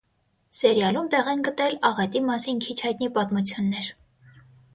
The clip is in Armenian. Սերիալում տեղ են գտել աղետի մասին քիչ հայտնի պատմություններ։